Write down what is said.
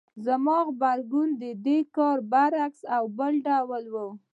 زما غبرګون د دې کار برعکس او بل ډول و.